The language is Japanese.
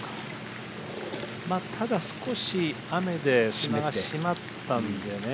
ただ少し雨で砂が締まったんでね。